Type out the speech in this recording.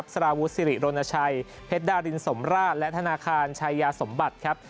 สารวุษิริโรนชัยเพชรดารินสมราชและธนาคารชายยาสมบัติ